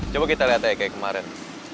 coba kita lihat aja kayak kemarin